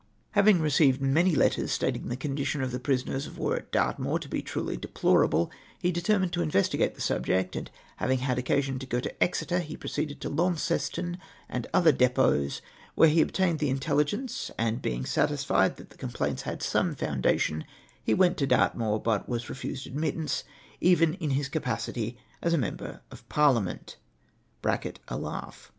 " Having received many letters stating the condition of the prisoners of war at Dartmoor to be truly deplorable, he determined to investigate the subject ; and, having had occasion to go to Exeter, he proceeded to Launceston and other depots, whence he obtained the intelligence, and, being satisfied that the complaints had some foundation, he went to Dartmoor ; but was refused admittance, even in his capa city as a member of Parliament (a laugh).